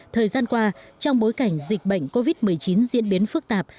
thời gian qua trong bối cảnh dịch bệnh covid một mươi chín diễn biến phức tạp